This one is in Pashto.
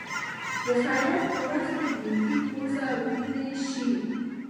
د خیرات په وخت کې د یتیم پزه وینې شي.